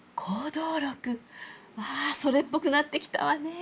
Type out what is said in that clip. わあそれっぽくなってきたわね。